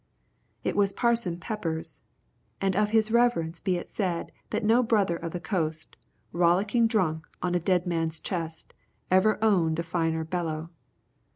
It was Parson Peppers, and of his reverence be it said that no Brother of the Coast, rollicking drunk on a dead man's chest, ever owned a finer bellow.